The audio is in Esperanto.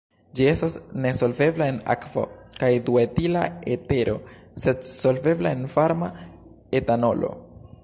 Ĝi estas nesolvebla en akvo kaj duetila etero sed solvebla en varma etanolo.